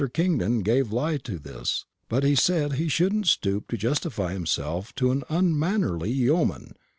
Kingdon gave the lie to this; but he said he shouldn't stoop to justify himself to an unmannerly yeoman.